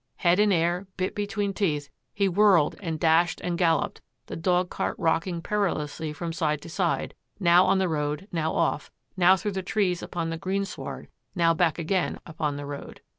Head in air, bit between teeth, he whirled and dashed and galloped, the dog cart rocking perilously from side to side, now on the road, now off, now through the trees upon the greensward, now back again upon the road.